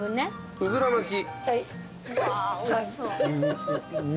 うずら巻２。